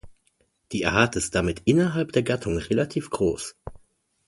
Die Art ist damit innerhalb der Gattung relativ groß.